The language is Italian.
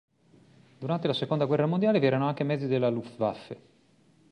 Durante la seconda guerra mondiale vi erano anche mezzi della Luftwaffe.